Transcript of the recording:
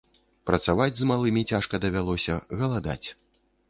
Працаваць з малымі цяжка давялося, галадаць.